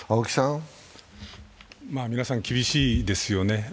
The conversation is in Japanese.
皆さん厳しいですよね。